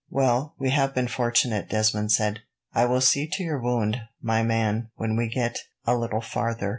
"Well, we have been fortunate," Desmond said. "I will see to your wound, my man, when we get a little farther.